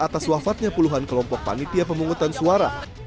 atas wafatnya puluhan kelompok panitia pemungutan suara